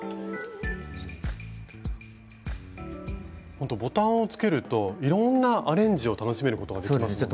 ほんとボタンをつけるといろんなアレンジを楽しめることができますね。